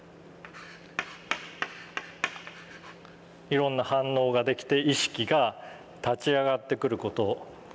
いろんな反応ができて意識が立ち上がってくるところがあります。